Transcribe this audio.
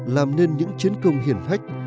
làm nên những chiến công hiển hách